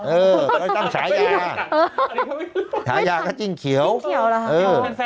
เออตั้งฉายาฉายาก็จิ้งเขียวจิ้งเขียวหรอฮะเออ